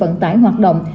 vận tải hoạt động